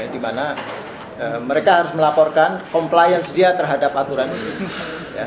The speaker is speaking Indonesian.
di mana mereka harus melaporkan compliance dia terhadap aturan ini